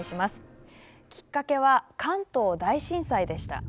きっかけは関東大震災でした。